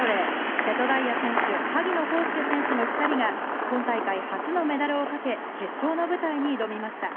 瀬戸大也選手、萩野公介選手の２人が今大会初のメダルをかけ、決勝の舞台に挑みました。